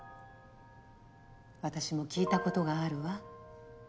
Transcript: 私も聞いたことがあるわ。